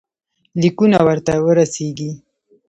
لیکونه ورته ورسیږي.